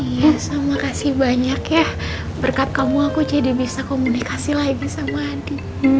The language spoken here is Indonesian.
iya sama kasih banyak ya berkat kamu aku jadi bisa komunikasi lagi sama adi